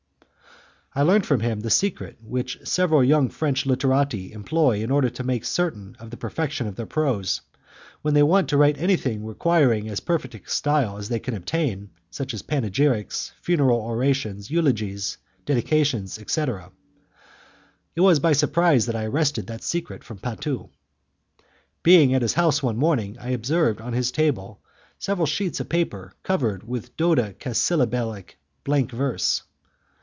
I learned from him the secret which several young French literati employ in order to make certain of the perfection of their prose, when they want to write anything requiring as perfect a style as they can obtain, such as panegyrics, funeral orations, eulogies, dedications, etc. It was by surprise that I wrested that secret from Patu. Being at his house one morning, I observed on his table several sheets of paper covered with dode casyllabic blank verse.